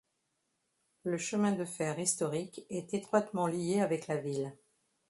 Le chemin de fer historique est étroitement lié avec la ville.